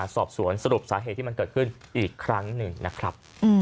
สอบสวนสรุปสาเหตุที่มันเกิดขึ้นอีกครั้งหนึ่งนะครับ